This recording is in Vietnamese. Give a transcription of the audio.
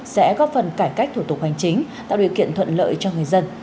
sẽ góp phần cải cách thủ tục hành chính tạo điều kiện thuận lợi cho người dân